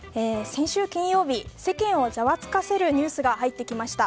先週金曜日世間をざわつかせるニュースが入ってきました。